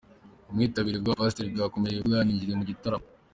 Ubwitabire bw’abapasiteri bakomeye banyagiriwe mu gitaramo